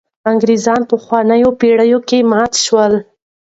انګرېزان په پخوانۍ پېړۍ کې مات شول.